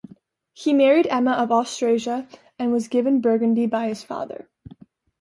He married Emma of Austrasia and was given Burgundy by his father.